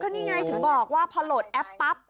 นี่ไงถึงบอกว่าพอโหลดแอปปั๊บ